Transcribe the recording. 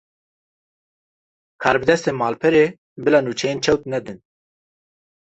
Karbidestên malperê, bila nûçeyên çewt nedin